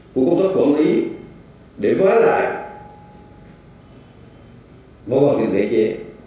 của công tác quản lý để phóa giải vô hoàn thiện thể chế